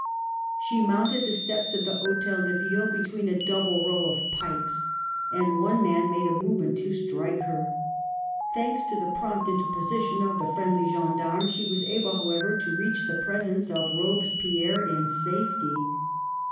She mounted the steps of the Hotel de Ville between a double row of pikes, and one man made a movement to strike her. Thanks to the prompt interposition of the friendly gendarme, she was able, however, to reach the presence of Robespierre in safety.